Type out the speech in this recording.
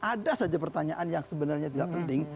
ada saja pertanyaan yang sebenarnya tidak penting